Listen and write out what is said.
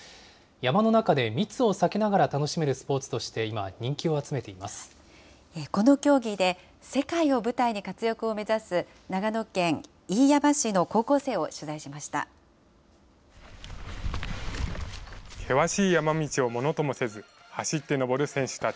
山の中で密を避けながら楽しめるスポーツとして、今、人気を集めこの競技で、世界を舞台に活躍を目指す、長野県飯山市の高校生を取材しました。